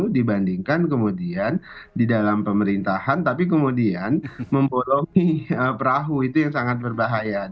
dibandingkan kemudian di dalam pemerintahan tapi kemudian membolomi perahu itu yang sangat berbahaya